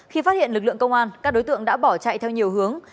khi phát hiện lực lượng công an các đối tượng đã bỏ chạy theo nhiều hướng